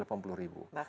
bahkan bisa dieksplorin